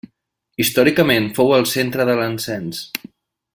Històricament fou el centre de l'encens.